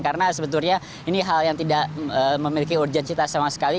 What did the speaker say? karena sebetulnya ini hal yang tidak memiliki urgent cita sama sekali